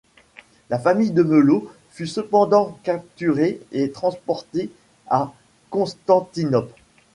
La famille de Melo fut cependant capturée et transportée à Constantinople.